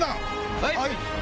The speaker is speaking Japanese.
はい！